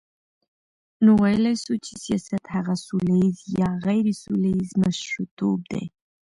نو ویلای سو چی سیاست هغه سوله ییز یا غیري سوله ییز مشرتوب دی،